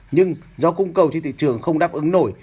nhưng do cung cầu trên thị trường không đáp ứng nổi